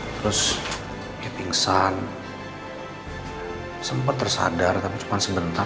terus dia pingsan sempat tersadar tapi cuma sebentar